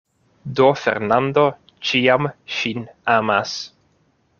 Do Fernando ĉiam ŝin amas.